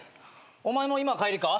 お前も今帰りか？